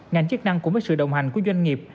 ngành chức năng của mấy sự đồng hành của doanh nghiệp